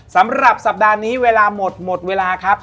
สำหรับสัปดาห์นี้เวลาหมดหมดเวลาครับ